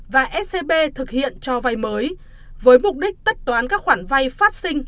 và scb thực hiện cho vay mới với mục đích tất toán các khoản vay phát sinh